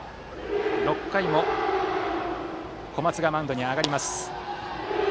６回も小松がマウンドに上がります。